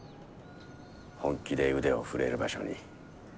本気で腕を振れる場所に。